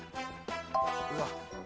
うわっ